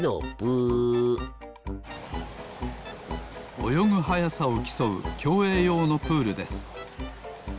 およぐはやさをきそうきょうえいようのプールです。